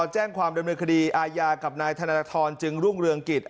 แจ้งความดำเนินคดีอาญากับนายธนทรจึงรุ่งเรืองกิจ